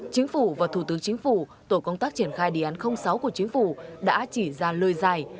chính phủ và thủ tướng chính phủ tổ công tác triển khai đề án sáu của chính phủ đã chỉ ra lời dài